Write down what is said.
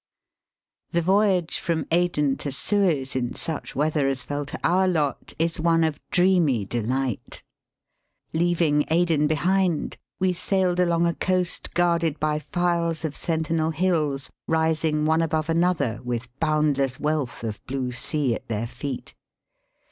The voyage from Aden to Suez in such weather as fell to our lot is one of dreamy delight. Leaving Aden behind, we sailed along a coast guarded by files of sentinel hills rising one above another, with boundless wealth of blue sea at their feet.